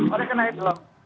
oleh karena itu loh